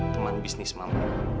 teman bisnis mama